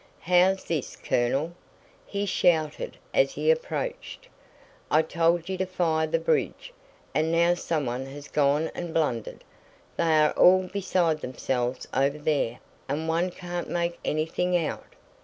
"How's this, Colonel?" he shouted as he approached. "I told you to fire the bridge, and now someone has gone and blundered; they are all beside themselves over there and one can't make anything out."